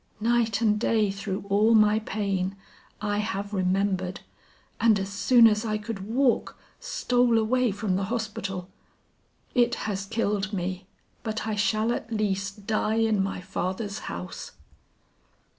Night and day through all my pain, I have remembered, and as soon as I could walk, stole away from the hospital. It has killed me, but I shall at least die in my father's house."